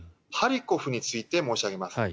ハリコフについて申し上げます。